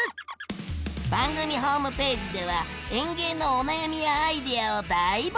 番組ホームページでは園芸のお悩みやアイデアを大募集！